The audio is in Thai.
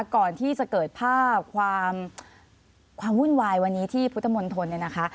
ก่อนที่จะเกิดภาพความวุ่นวายวันนี้ที่พุทธมนตรเนี่ยนะคะ